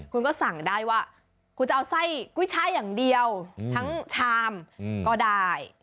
คุณก็สั่งได้ว่าคุณจะเอาไส้กุ้ยช่ายอย่างเดียวทั้งชามก็ได้